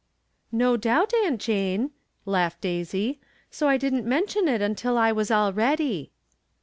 " No doubt, Aunt Jane," laughed Daisy, " so I didn't m&ntion it until I was all ready."